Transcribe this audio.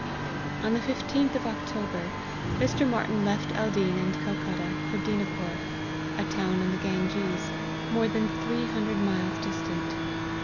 On the fifteenth of October, Mr. Martyn left Aldeen and Calcutta for Dinapore, a town on the Ganges, more than three hundred miles distant.